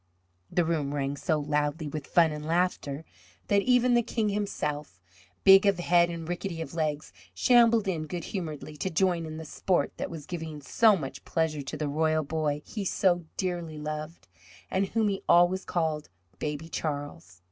The room rang so loudly with fun and laughter that even the King himself, big of head and rickety of legs, shambled in good humouredly to join in the sport that was giving so much pleasure to the royal boy he so dearly loved, and whom he always called "Baby Charles."